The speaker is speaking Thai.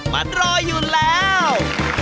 มันรออยู่แล้ว